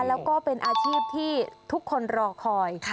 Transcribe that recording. แล้วก็เป็นอาชีพที่ทุกคนรอคอย